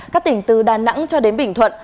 các tỉnh từ đà nẵng cho đến bình thuận